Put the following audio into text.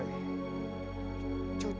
hingga hari ini